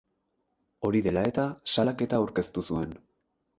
Hori dela eta, salaketa aurkeztu zuen.